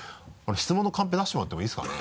質問のカンペ出してもらってもいいですかね？